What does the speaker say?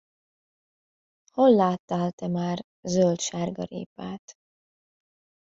Hol láttál te már zöld sárgarépát?